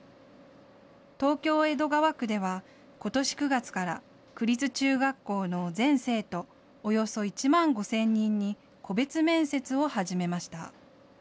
東京江戸川区ではことし９月から区立中学校の全生徒およそ１万５０００人に個別面接を始めました。